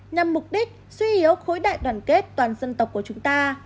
nhằm mục đích suy yếu khối đại đoàn kết toàn dân tộc của chúng ta